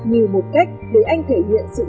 như một cách để anh thể hiện sự